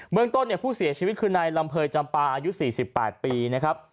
เมืองต้นเนี่ยผู้เสียชีวิตคือนายลำเภยจำปาอายุ๔๘ปีนะครับ